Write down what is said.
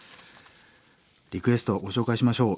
リクエストご紹介しましょう。